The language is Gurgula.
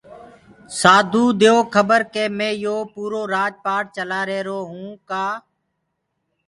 سآڌوٚ ديئو کَبَر ڪي مي يو پوٚرو رآج پآٽ چلآهيرونٚ ڪآ